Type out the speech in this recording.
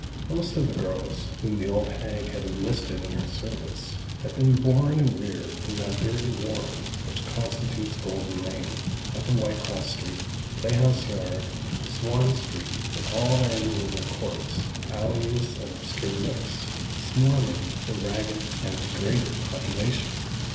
Most of the girls whom the old hag had enlisted in her service, had been born and reared in that dirty warren which constitutes Golden Lane, Upper Whitecross Street, Playhouse Yard, Swan Street, and all their innumerable courts, alleys, and obscure nooks, swarming with a ragged and degraded population.